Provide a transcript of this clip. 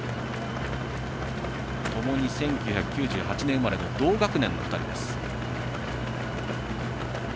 ともに１９９８年生まれの同学年の２人です。